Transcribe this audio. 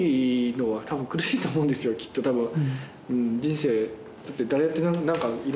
きっとたぶん。